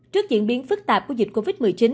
trước diễn biến phức tạp của dịch covid một mươi chín